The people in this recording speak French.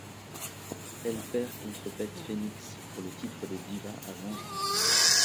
Elle perd contre Beth Phoenix pour le titre des Divas à Vengeance.